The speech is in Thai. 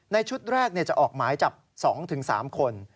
ชุดแรกจะออกหมายจับ๒๓คน